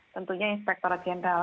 tentunya inspektor general